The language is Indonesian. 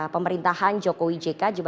pemerintahan jokowi jk